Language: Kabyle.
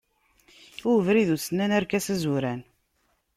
I ubrid usennan, arkas azuran.